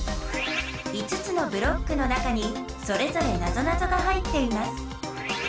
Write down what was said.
５つのブロックの中にそれぞれなぞなぞが入っています。